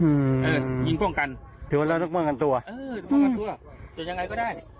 ถือว่าเราต้องมั่งกันตัวเออต้องมั่งกันตัวเออจะยังไงก็ได้